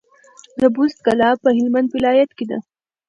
د بُست کلا په هلمند ولايت کي ده